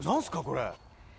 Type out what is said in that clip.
これ。